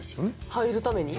入るために？